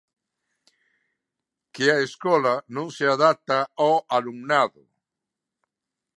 Que a escola non se adapta ao alumnado.